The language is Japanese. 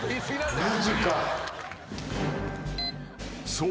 ［そう。